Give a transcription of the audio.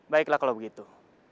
baiklah kalau begitu